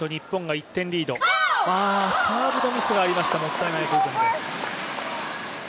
サーブのミスがありました、もったいない部分です。